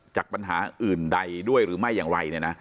จากปัญหาอื่นใดด้วยหรือไม่อย่างไร